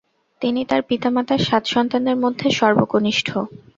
তিনি তার পিতামাতার সাত সন্তানের মধ্যে সর্বকনিষ্ঠ।